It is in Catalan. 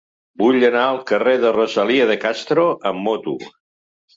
Vull anar al carrer de Rosalía de Castro amb moto.